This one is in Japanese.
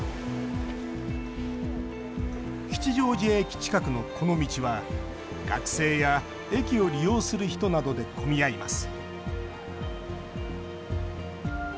吉祥寺駅近くの、この道は学生や駅を利用する人などで混み合います